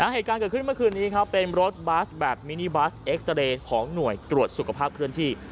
เหตุการณ์เกิดขึ้นเมื่อคืนนี้ครับเป็นรถบัสแบบมินิบัสเอ็กซาเรย์ของหน่วยตรวจสุขภาพเคลื่อนที่